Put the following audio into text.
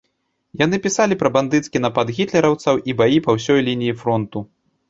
Яны пісалі пра бандыцкі напад гітлераўцаў і баі па ўсёй лініі фронту.